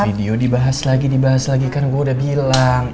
video dibahas lagi dibahas lagi kan gue udah bilang